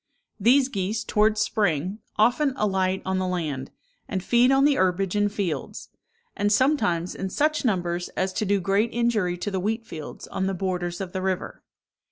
These geese, towards spring, often alight on the land, and feed on the herbage in fields; and sometimes in such numbers as to do great injury to the wheat fields on the borders of the river.